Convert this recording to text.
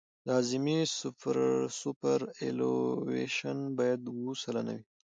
اعظمي سوپرایلیویشن باید اوه سلنه وي